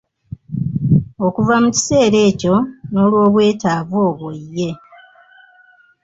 Okuva mu kiseera ekyo n’olw’obwetaavu obwo ye